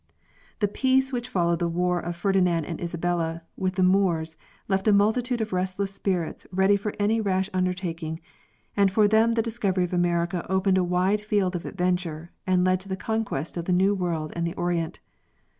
; The peace which followed the war of Ferdinand and Isabella with the Moors left a multitude of restless spirits ready for any rash undertaking; and for them the discovery of America opened a wide field of adventure and led to the conquest of the New World and the Orient.